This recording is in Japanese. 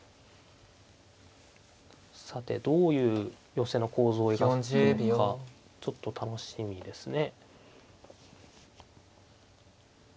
さてどういう寄せの構図を描くのかちょっと楽しみですね。